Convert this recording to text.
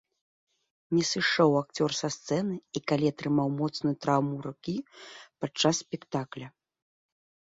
Не сышоў акцёр са сцэны і калі атрымаў моцную траўму рукі падчас спектакля.